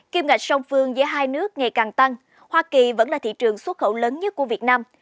kim ngạch song phương giữa hai nước ngày càng tăng hoa kỳ vẫn là thị trường xuất khẩu lớn nhất của việt nam